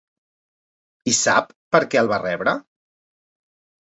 I sap per què el va rebre?